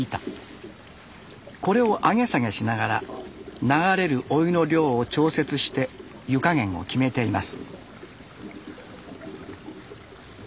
これを上げ下げしながら流れるお湯の量を調節して湯加減を決めています。